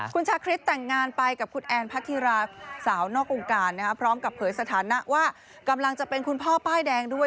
คุณชาคริสแต่งงานไปกับคุณแอนพัทธิราสาวนอกวงการพร้อมกับเผยสถานะว่ากำลังจะเป็นคุณพ่อป้ายแดงด้วย